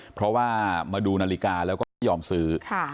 เพราะว่ามาดูนาฬิกาแล้วก็ไม่ยอมซื้อ